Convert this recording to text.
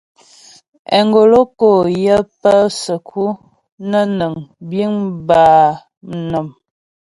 Engolo kǒ yə pə səku nə́ nəŋ biŋ bâ mnɔm.